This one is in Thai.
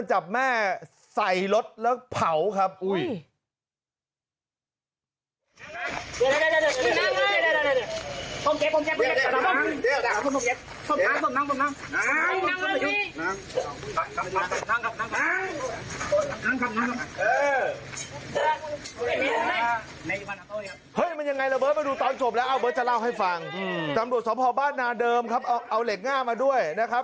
ให้ฟังอืมตำรวจสมภาพบ้านนาเดิมครับเอาเอาเหล็กง่ามาด้วยนะครับ